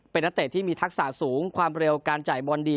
เป็นนักเตะที่มีทักษะสูงความเร็วการจ่ายบอลดี